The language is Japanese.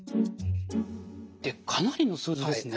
かなりの数字ですね。